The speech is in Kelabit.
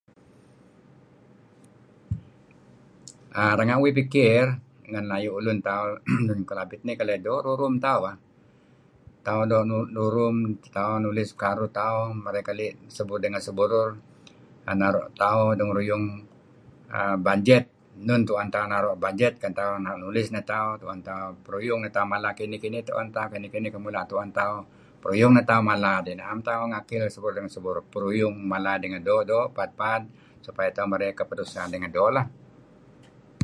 enga' uih pikir nen ayu' ulun tauh uhm Lun Kelabit neih keleh doo' rurum tauh leh. Tauh doo' rurum tauh nulis karuh tauh tauh nulis marey keli' eseh burur ngen eseh burur neh naru' tauh dengaruyung bajet enun tuen tauh bajet tuen tauh nulis tuen tauh peruyung teh tauh kinih-kinih tuen tauh, kinih-kinih dah tuen tauh pruyung neh tauh mala dih. Neh taun naem ngaki' seh burur lat ngen seh burur. Mala idih ngen doo' doo' paad tuh marey keputusan ngen doo' lah.